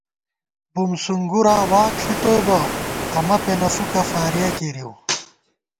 بُم سُونگُرا واک ݪِتوؤ بہ ، امہ پېنہ فُوکہ فارِیَہ کېرِیؤ